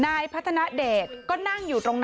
นายพัฒนาเดชก็นั่งอยู่ตรงนั้น